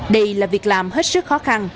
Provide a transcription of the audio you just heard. đây là việc làm hết sức khó khăn